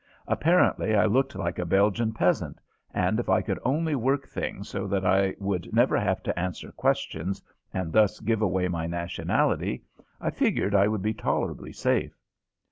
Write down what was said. Apparently I looked like a Belgian peasant, and if I could only work things so that I would never have to answer questions and thus give away my nationality, I figured I would be tolerably safe.